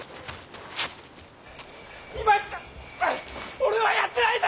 俺はやってないんだ！